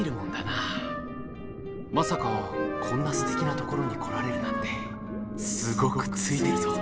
まさかこんなすてきなところに来られるなんてすごくついてるぞ。